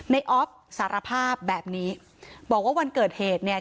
ออฟสารภาพแบบนี้บอกว่าวันเกิดเหตุเนี่ย